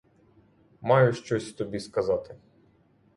Маю щось тобі сказати.